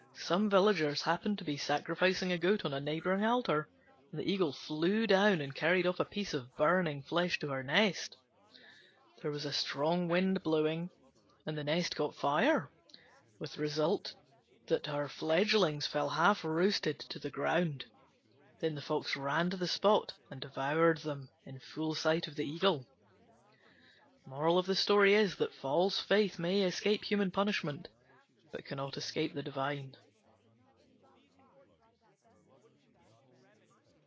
Some villagers happened to be sacrificing a goat on a neighbouring altar, and the Eagle flew down and carried off a piece of burning flesh to her nest. There was a strong wind blowing, and the nest caught fire, with the result that her fledglings fell half roasted to the ground. Then the Fox ran to the spot and devoured them in full sight of the Eagle. False faith may escape human punishment, but cannot escape the divine.